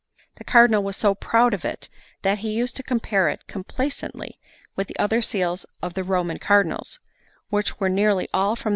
The Cardinal was so proud of it that he used to compare it complacently with the other seals of the Roman cardinals, which were nearly all from the hand of Lautizio.